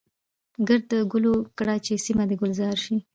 کرد د ګلو کړه چي سیمه د ګلزار شي.